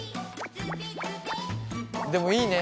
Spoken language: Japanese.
でもいいね。